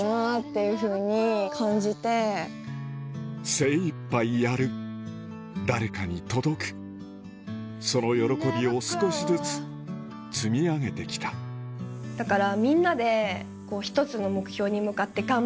精いっぱいやる誰かに届くその喜びを少しずつ積み上げてきただから。